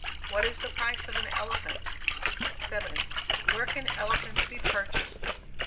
"What is the price of an elephant?" 7. "Where can elephants be purchased?"